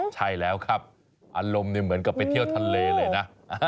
ใช่แล้วครับอารมณ์เหมือนกับไปเที่ยวทะเลเลยนะ